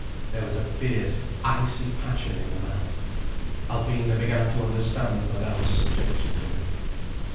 There was a fierce, icy passion in the man. Alvina began to understand Madame's subjection to him.